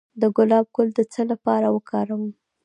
د ګلاب ګل د څه لپاره وکاروم؟